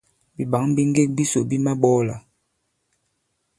Bìɓǎŋ bi ŋgek bisò bi maɓɔɔlà.